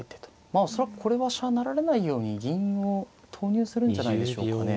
まあ恐らくこれは飛車成られないように銀を投入するんじゃないでしょうかね。